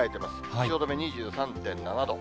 汐留２３．７度。